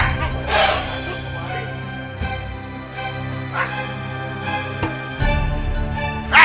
siapa yang mau ubah